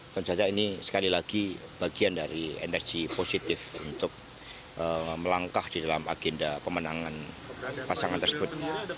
tentu saja ini sekali lagi bagian dari energi positif untuk melangkah di dalam agenda pemenangan pasangan tersebut